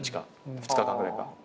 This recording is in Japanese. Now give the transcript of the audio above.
２日間ぐらいか。